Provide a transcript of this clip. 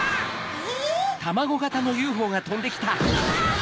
え⁉